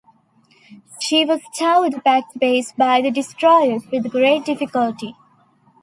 She was towed back to base by the destroyers with great difficulty.